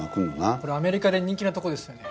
これアメリカで人気なとこですよね。